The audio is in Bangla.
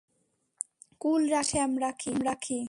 কুল রাখি না শ্যাম রাখি।